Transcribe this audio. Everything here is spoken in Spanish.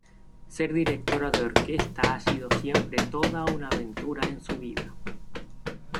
Ser Directora de Orquesta ha sido siempre toda una aventura en su vida.